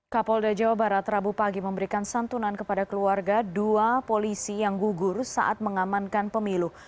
kapolda jawa barat rabu pagi memberikan santunan kepada keluarga dua polisi yang gugur saat mengamankan pemilu